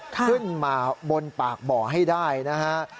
ขึ้นมาบนปากบ่อให้ได้นะฮะ